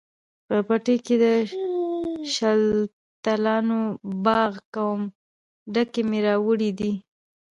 په پټي کښې د شلتالانو باغ کوم، ډکي مې راوړي دي